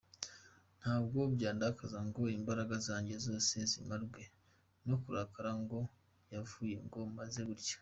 Ntabwo byandakaza ngo imbaraga zanjye zose zimarwe no kurakara ngo yavuze ngo meze ntya.